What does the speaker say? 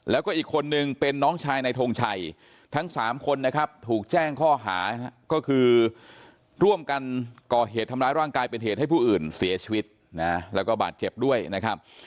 แล้วก็อีกคนนึงเป็นน้องชายในทงชัยทั้ง๓คนนะครับถูกแจ้งข้อหาก็คือร่วมกันก่อเหตุทำร้ายร่างกายเป็นเหตุให้ผู้อื่นเสียชีวิตนะแล้วก็บาดเจ็บด้วยนะครับ